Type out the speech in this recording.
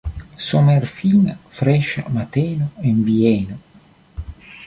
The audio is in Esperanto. Somerfina, freŝa mateno en Vieno!